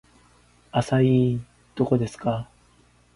アサイーどこですか